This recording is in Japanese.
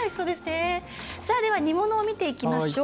煮物を見ていきましょう。